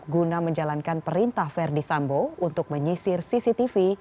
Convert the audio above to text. guna menjalankan perintah verdi sambo untuk menyisir cctv